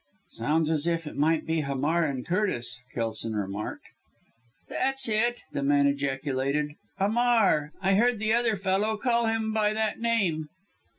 "Sounds as if it might be Hamar and Curtis," Kelson remarked. "That's it!" the man ejaculated. "'Amar. I heard the other fellow call him by that name."